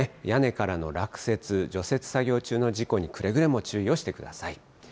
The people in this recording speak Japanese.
屋根からの落雪、除雪作業中の事故にくれぐれも注意をしてください。